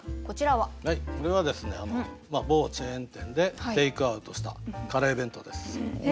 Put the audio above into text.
これはですね某チェーン店でテイクアウトしたカレー弁当です。